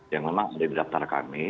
yang memang ada di daftar kami